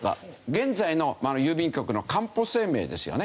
現在の郵便局のかんぽ生命ですよね。